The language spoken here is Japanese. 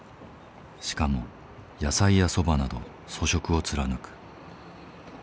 しかも野菜やそばなど粗食を貫く。